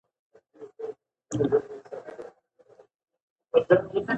پېیر کوري د لابراتوار وسایل پاک کړل.